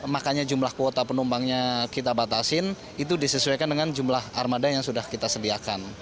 makanya jumlah kuota penumpangnya kita batasin itu disesuaikan dengan jumlah armada yang sudah kita sediakan